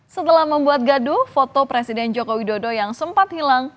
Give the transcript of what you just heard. setelah membuat gaduh foto presiden joko widodo yang sempat hilang